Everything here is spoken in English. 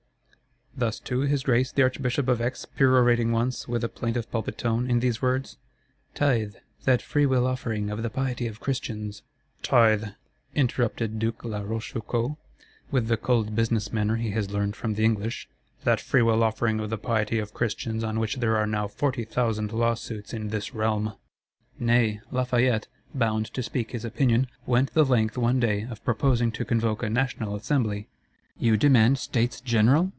Thus too his Grace the Archbishop of Aix perorating once, with a plaintive pulpit tone, in these words? 'Tithe, that free will offering of the piety of Christians'—'Tithe,' interrupted Duke la Rochefoucault, with the cold business manner he has learned from the English, 'that free will offering of the piety of Christians; on which there are now forty thousand lawsuits in this realm.' Nay, Lafayette, bound to speak his opinion, went the length, one day, of proposing to convoke a "National Assembly." 'You demand States General?